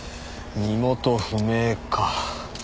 身元不明か。